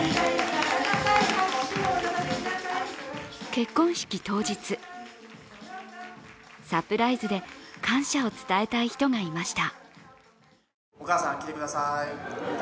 結婚式当日、サプライズで感謝を伝えたい人がいました。